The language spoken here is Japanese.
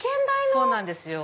そうなんですよ。